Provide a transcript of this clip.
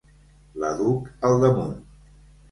La duc al damunt.